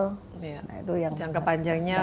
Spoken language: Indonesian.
itu yang jangka panjangnya